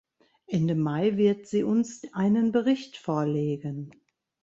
Ende Mai wird sie uns einen Bericht vorlegen.